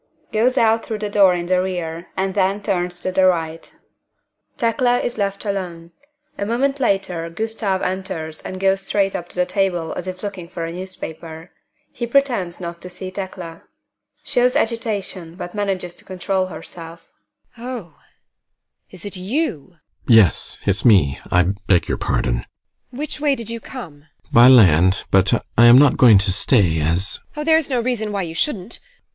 (Goes out through the door in the rear and then turns to the right.) (TEKLA is left alone. A moment later GUSTAV enters and goes straight up to the table as if looking for a newspaper. He pretends not to see TEKLA.) TEKLA. [Shows agitation, but manages to control herself] Oh, is it you? GUSTAV. Yes, it's me I beg your pardon! TEKLA. Which way did you come? GUSTAV. By land. But I am not going to stay, as TEKLA. Oh, there is no reason why you shouldn't.